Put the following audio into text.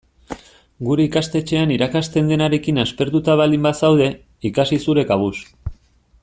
Gure ikastetxean irakasten denarekin aspertuta baldin bazaude, ikasi zure kabuz.